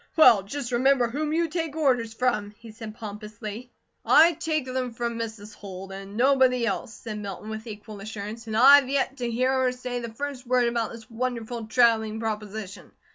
"Well, just remember whom you take orders from," he said, pompously. "I take them from Mrs. Holt, and nobody else," said Milton, with equal assurance. "And I've yet to hear her say the first word about this wonderful travelling proposition.